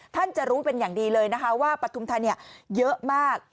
ท่านจะรู้เป็นอย่างดีเลยนะคะว่าปฐุมธานีเยอะมาก